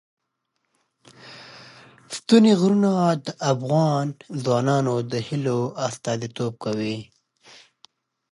ستوني غرونه د افغان ځوانانو د هیلو استازیتوب کوي.